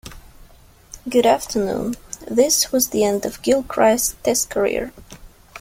Good afternoon. This was the end of Gilchrist's Test career.